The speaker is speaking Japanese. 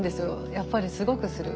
やっぱりすごくする。